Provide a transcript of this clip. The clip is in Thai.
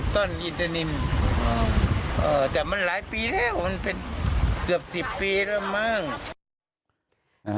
ต้นอินเตอร์นิมแต่มันหลายปีแล้วมันเป็นเกือบ๑๐ปีแล้วมั้ง